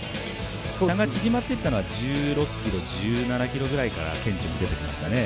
差が縮まっていったのは１６ｋｍ、１７ｋｍぐらいから顕著に出てきましたね。